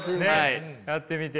やってみて。